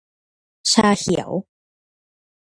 ชาเขียว